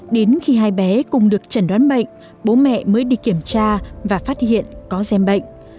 đến khi hai bé cùng được chẩn đoán bệnh bố mẹ mới đi kiểm tra và phát hiện có gen bệnh